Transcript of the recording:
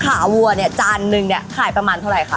วัวเนี่ยจานนึงเนี่ยขายประมาณเท่าไหร่คะ